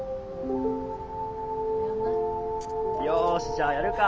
よしじゃあやるか。